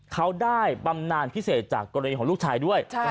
เขาได้บำนานพิเศษจากกรณีของลูกชายด้วย